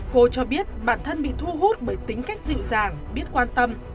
cô cho biết bản thân bị thu hút bởi tính cách dịu dàng biết quan tâm